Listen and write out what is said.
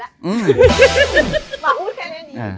ก็พูดแค่นี้ดี